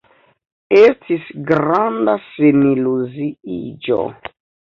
Estis granda seniluziiĝo.